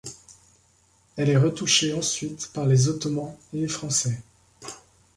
Elle est retouchée ensuite par les Ottomans et les Français.